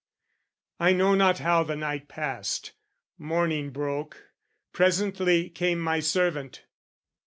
I know not how the night passed: morning broke: Presently came my servant.